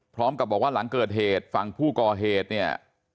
พร้อมกับบอกว่าหลังเกิดเหตุฝั่งผู้ก่อเหตุเนี่ย